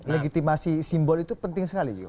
legitimasi simbol itu penting sekali